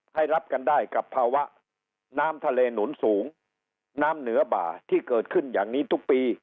ให้รับกันได้กับภาวะน้ำทะเลหนุนสูงน้ำเหนือบ่าที่เกิดขึ้นอย่างนี้ทุกปี